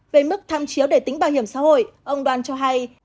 về mức tham chiếu để tính bảo hiểm xã hội ông đoan cho hay